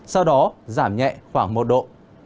sau đó giảm nhẹ khoảng một độ